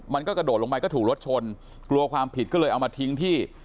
มันก็กระโดดลงไปก็ถูกรถชนกลัวความผิดก็เลยเอามาทิ้งที่